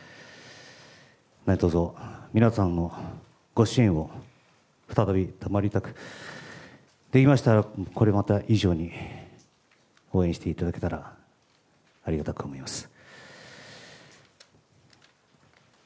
なにとぞ皆さんのご支援を再び賜りたく、できましたらこれまで以上に応援していただけたらありがたく思います。